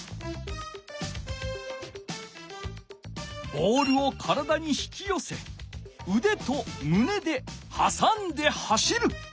ボールを体に引きよせうでとむねではさんで走る。